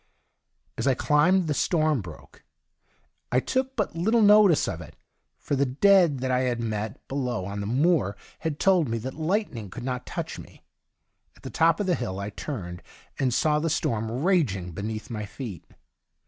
As I climbed, the storm broke. I took but little notice of it, for the dead that I had met below on the moor had told me that lightning could not touch me. At the top of the hill I turned, and saw the storm raging beneath my feet.